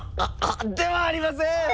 ではありません！